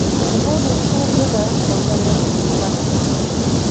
Donjons et tours demeurent, dans un magnifique parc.